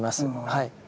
はい。